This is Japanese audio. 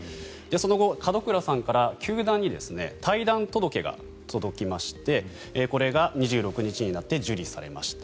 その後、門倉さんから球団に退団届が届きましてこれが２６日になって受理されました。